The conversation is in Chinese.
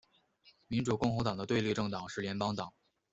民主共和党的对立政党是联邦党。